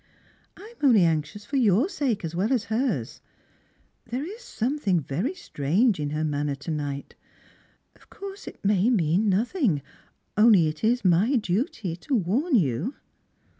I am only anxious for yonr sake as well as hers. There is something very strange in her manner to night. Of course it may mean nothing, only it is my duty to warn you."